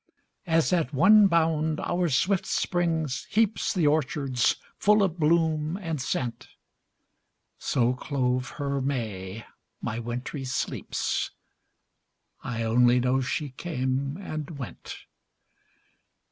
As, at one bound, our swift spring heaps The orchards full of bloom and scent, So clove her May my wintry sleeps; I only know she came and went.